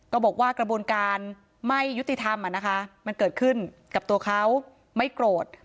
ก็บอกว่ากระบวนการไม่ยุติธรรมมันเกิดขึ้นกับตัวเขาไม่โกรธ